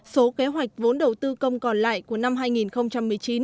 số kế hoạch vốn đầu tư công còn lại của năm hai nghìn một mươi chín